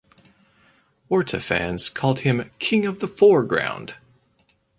Warta fans called him "King of the foreground".